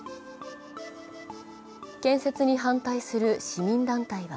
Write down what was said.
建設に反対する市民団体は